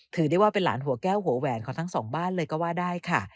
ถือได้ว่าเป็นหลานหัวแก้วหัวแหวนของทั้งสองบ้านเลยก็ว่าได้ค่ะ